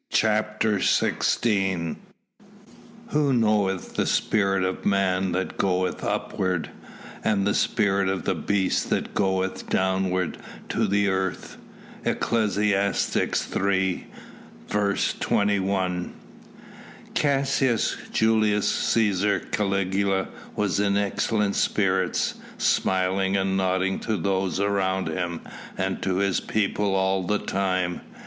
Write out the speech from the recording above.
CHAPTER XVI "Who knoweth the spirit of man that goeth upward, and the spirit of the beast that goeth downward to the earth." ECCLESIASTES III. 21. Caius Julius Cæsar Caligula was in excellent spirits, smiling and nodding to those around him and to his people all the time.